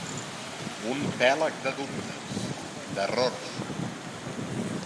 Un pèlag de dubtes, d'errors.